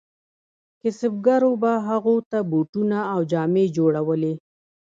کسبګرو به هغو ته بوټونه او جامې جوړولې.